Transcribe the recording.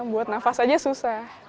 buat nafas aja susah